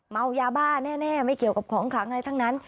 เมายาบ้าแน่ไม่เกี่ยวกับของขลังอะไรทั้งนั้น